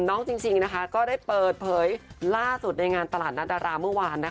จริงนะคะก็ได้เปิดเผยล่าสุดในงานตลาดนัดดาราเมื่อวาน